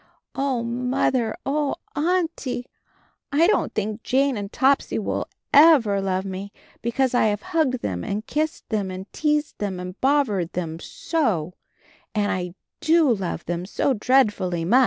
"Oh, Mother, oh. Auntie, I don't think Jane and Topsy will ever love me because I have hugged them and kissed them and teased them and bovvered them so — and I do love them so dreadfully much."